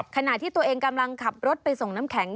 ขณะที่ตัวเองกำลังขับรถไปส่งน้ำแข็ง